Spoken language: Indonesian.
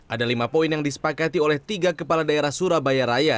ada lima poin yang disepakati oleh tiga kepala daerah surabaya raya